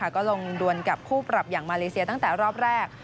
ก็ลงดวนกับคู่ปรับอย่างมาเลเซียตั้งแต่รอบแรก